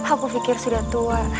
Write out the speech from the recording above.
aku pikir sudah tua